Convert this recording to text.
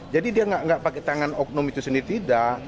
jadi dia tidak pakai tangan oknum itu sendiri tidak